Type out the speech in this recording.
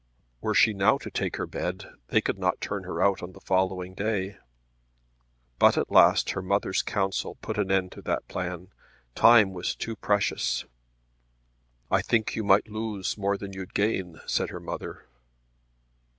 Were she now to take to her bed they could not turn her out on the following day. But at last her mother's counsel put an end to that plan. Time was too precious. "I think you might lose more than you'd gain," said her mother.